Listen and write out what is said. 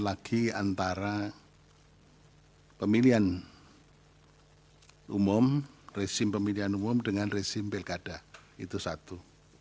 lagi antara pemilihan umum resim pemilihan umum dengan resim pilkada itu satu